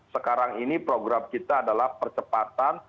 sekarang ini program kita adalah percepatan